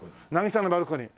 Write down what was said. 『渚のバルコニー』。